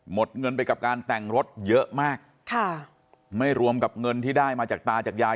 เงินไปกับการแต่งรถเยอะมากค่ะไม่รวมกับเงินที่ได้มาจากตาจากยาย